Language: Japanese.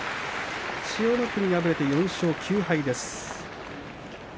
千代の国、敗れて４勝９敗です。